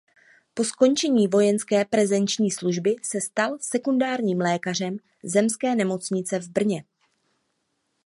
Po skončení vojenské prezenční služby se stal sekundárním lékařem Zemské nemocnice v Brně.